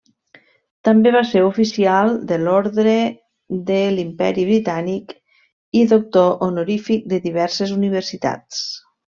També va ser Oficial de l'Ordre de l'Imperi Britànic i doctor honorífic de diverses universitats.